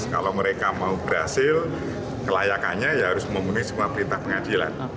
kalau mereka mau berhasil kelayakannya ya harus memenuhi semua perintah pengadilan